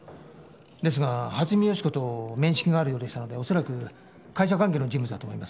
ですが初見芳子と面識があるようでしたので恐らく会社関係の人物だと思います。